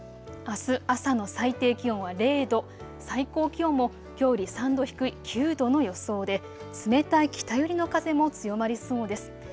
あす朝の最低気温は０度、最高気温もきょうより３度低い９度の予想で冷たい北寄りの風も強まりそうです。